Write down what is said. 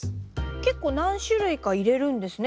結構何種類か入れるんですね